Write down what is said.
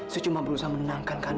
saya cuma berusaha menenangkankan